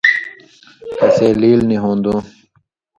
کسے لیلیۡ نیۡ ہُون٘دُوں